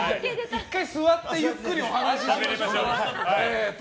１回、座ってゆっくりお話ししましょう。